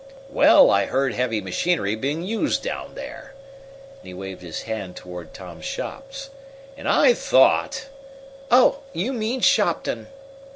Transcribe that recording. "Well, I heard heavy machinery being used down there;" and he waved his hand toward Tom's shops, "and I thought " "Oh, you mean Shopton!"